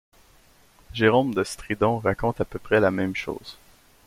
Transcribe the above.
Jérôme de Stridon raconte à peu près la même chose.